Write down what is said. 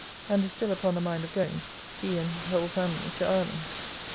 ] and is still upon the mind of going (he and his whole family) to Ireland.